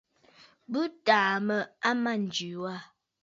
Bɨ tàà mə̂ a mânjì wâ.